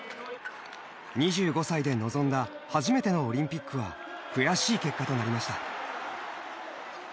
２５歳で臨んだ初めてのオリンピックは悔しい結果となりました。